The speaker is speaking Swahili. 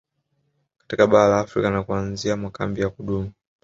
Katika bara la Afrika na kuanzisha makambi ya kudumu